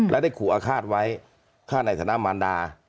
และได้ขู่อาฆาตไว้ฆ่าในฐานะมารดา